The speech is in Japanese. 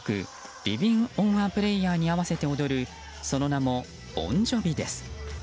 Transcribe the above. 「リヴィン・オン・ア・プレイヤー」に合わせて踊るその名も盆ジョヴィです。